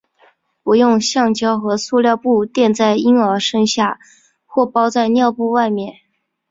不用橡胶和塑料布垫在婴儿身下或包在尿布外面。